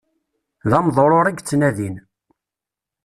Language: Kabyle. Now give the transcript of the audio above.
D ameḍṛuṛ i yettnadin.